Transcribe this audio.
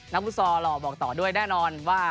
ฟุตซอลหล่อบอกต่อด้วยแน่นอนว่า